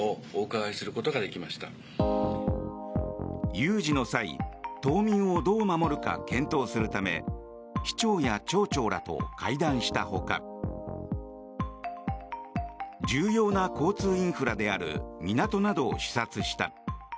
有事の際島民をどう守るか検討するため市長や町長らと会談したほか重要な交通インフラである港などを視察した。